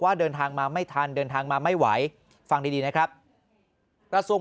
เดินทางมาไม่ทันเดินทางมาไม่ไหวฟังดีดีนะครับกระทรวง